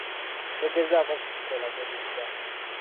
Togezaako kukikola mu bubba.